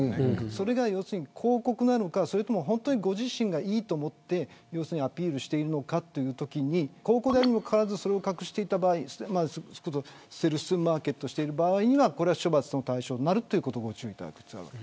それが要するに広告なのかそれとも本当にご自身がいいと思ってアピールしているのかというときに広告であるにもかかわらずそれを隠していた場合ステルスマーケットをしている場合には処罰の対象になるということをご注意いただく必要がある。